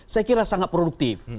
saya kira sangat produktif